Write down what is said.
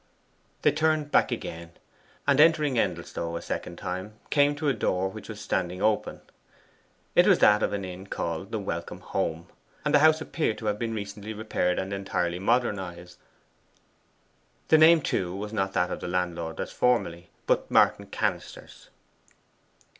They turned back again, and entering Endelstow a second time, came to a door which was standing open. It was that of an inn called the Welcome Home, and the house appeared to have been recently repaired and entirely modernized. The name too was not that of the same landlord as formerly, but Martin Cannister's.